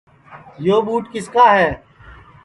یو ٻوٹ کِس کا ہے